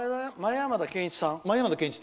前山田健一さん？